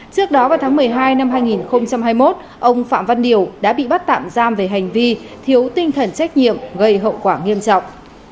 trước đó vào tháng một mươi hai năm hai nghìn hai mươi một ông phạm văn điều đã bị bắt tạm giam về hành vi thiếu tinh thần trách nhiệm gây hậu quả nghiêm trọng